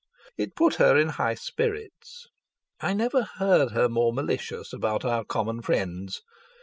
It put her in high spirits. I had never heard her more malicious about our common friends.